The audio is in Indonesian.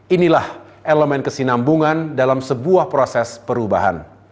inilah elemen kesinambungan dalam sebuah proses perubahan